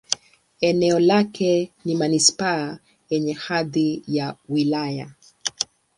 Eneo lake ni manisipaa yenye hadhi ya wilaya.